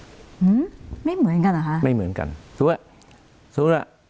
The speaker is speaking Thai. อืมไม่เหมือนกันเหรอคะไม่เหมือนกันสมมุติว่าสมมุติว่า